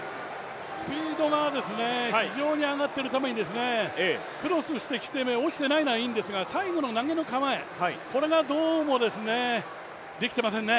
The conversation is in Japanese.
スピードが非常に上がっているためにクロスしてきて落ちていないのはいいんですが最後の投げの構え、これがどうもできていませんね。